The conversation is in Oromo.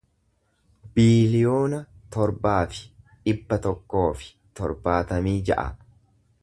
biiliyoona torbaa fi dhibba tokkoo fi torbaatamii ja'a